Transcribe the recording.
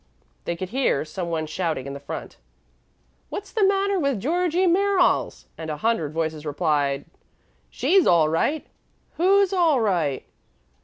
They could hear some one shouting in the front, "What's the matter with Georgie Merriles?" and a hundred voices replied, "She's all right!" "Who's all right?"